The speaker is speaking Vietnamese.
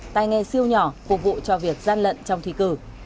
tay nghe siêu nhỏ phục vụ cho việc gian lận trong thi cử